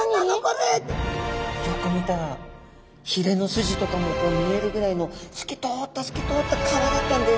よく見たらひれのスジとかもこう見えるぐらいの透き通った透き通った皮だったんです。